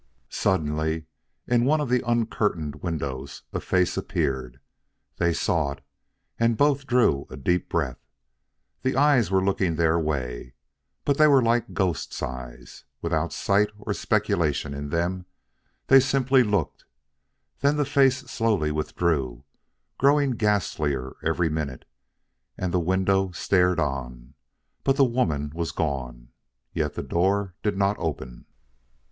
Suddenly in one of the uncurtained windows a face appeared. They saw it, and both drew a deep breath. The eyes were looking their way, but they were like ghost's eyes. Without sight or speculation in them, they simply looked; then the face slowly withdrew, growing ghastlier every minute, and the window stared on, but the woman was gone. Yet the door did not open.